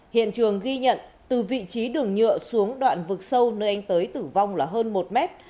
hiện trường ghi nhận từ vị trí đường nhựa xuống đoạn vực sâu nơi anh tới tử vong là hơn một mét